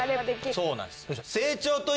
そうなんです。